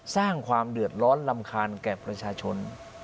สร้างความเดือดร้อนรำคาญแก่ประชาชน